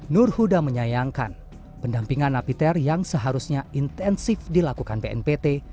nur huda menyayangkan pendampingan napiter yang seharusnya intensif dilakukan bnpt